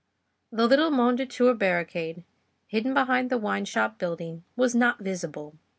The little Mondétour barricade, hidden behind the wine shop building, was not visible.